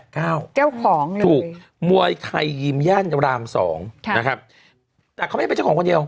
เจ้าของเลยถูกมวยไทยยิมย่านรามสองค่ะนะครับแต่เขาไม่ได้เป็นเจ้าของคนเดียว